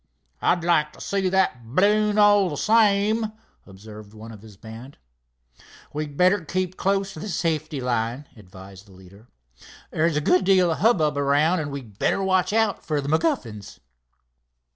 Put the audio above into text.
"I'd like to see that balloon, all the same," observed one of his band. "We'd better keep close to the safety line," advised the leader. "There's a good deal of hubbub around, and we'd better watch out for the MacGuffins."